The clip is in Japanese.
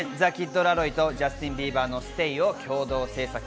去年ザ・キッド・ラロイとジャスティン・ビーバーの『ＳＴＡＹ』を共同制作。